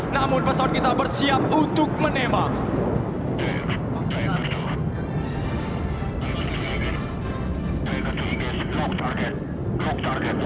namun pesawat kita bersiap untuk menembak